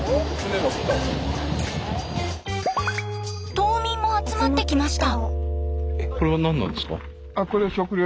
島民も集まってきました。